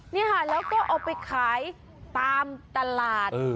นี่ค่ะแล้วก็เอาไปขายตามตลาด